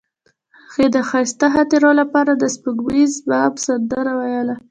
هغې د ښایسته خاطرو لپاره د سپوږمیز بام سندره ویله.